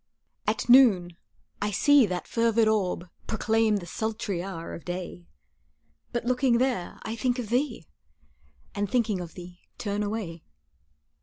At noon I see that fervid orb Proclaim the sultry hour of day, But looking there, I think of thee, And thinking of thee, turn away.